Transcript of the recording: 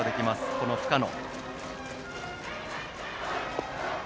この深野。